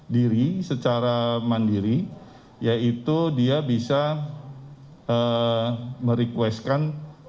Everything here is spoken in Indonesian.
diri secara mandiri yaitu dia bisa merequestkan